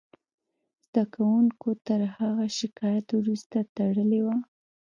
زده کوونکو تر هغه شکایت وروسته تړلې وه